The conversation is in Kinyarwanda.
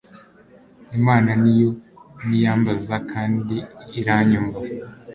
imana ni yo niyambaza, kandi iranyumva